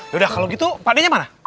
yaudah kalau gitu pak d nya mana